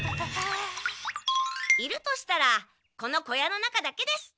いるとしたらこの小屋の中だけです。